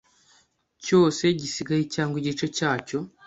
cyose gisigaye cyangwa igice cyacyo